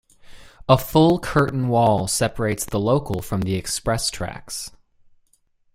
A full curtain wall separates the local from the express tracks.